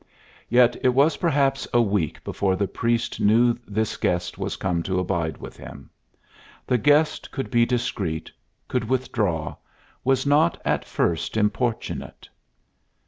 Yet it was perhaps a week before the priest knew this guest was come to abide with him. The guest could be discreet, could withdraw, was not at first importunate.